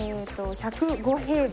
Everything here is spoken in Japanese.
１０５平米。